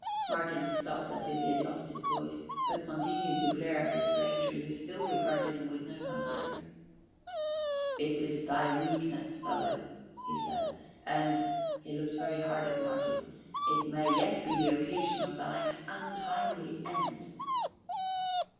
Martin stopped as if he had lost his voice, but continued to glare at the stranger, who still regarded him with no concern. "It is thy weakness, fellow," he said, "and " he looked very hard at Martin "it may yet be the occasion of thine untimely end."